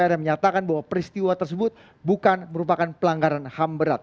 dpr yang menyatakan bahwa peristiwa tersebut bukan merupakan pelanggaran ham berat